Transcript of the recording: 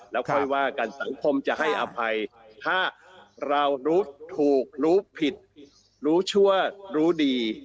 แล้วค่อยว่ากันสังคมจะให้อภัยถ้าเรารู้ถูกรู้ผิดรู้ชั่วรู้ดี